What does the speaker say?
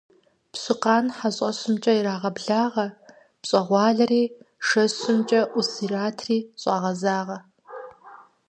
Пщыкъан хьэщӀэщымкӀэ ирагъэблагъэ, пщӀэгъуалэри шэщымкӀэ Ӏус иратри щагъэзагъэ.